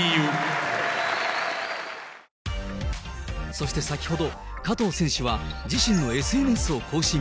そして先ほど、加藤選手は自身のＳＮＳを更新。